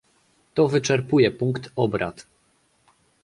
To wyczerpuje punkt obrad